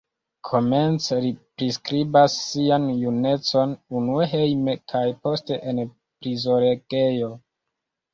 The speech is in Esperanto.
Komence li priskribas sian junecon, unue hejme kaj poste en prizorgejo.